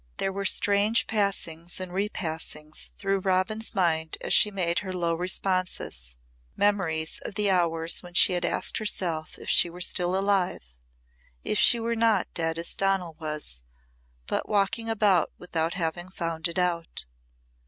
There were strange passings and repassings through Robin's mind as she made her low responses memories of the hours when she had asked herself if she were still alive if she were not dead as Donal was, but walking about without having found it out.